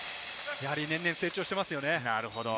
年々成長していますよね。